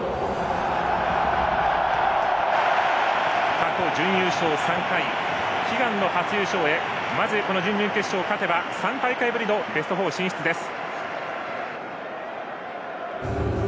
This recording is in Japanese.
過去準優勝３回悲願の初優勝へまず準々決勝、勝てば３大会ぶりのベスト４進出です。